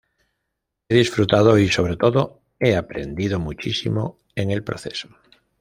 He disfrutado y, sobre todo, he aprendido muchísimo en el proceso.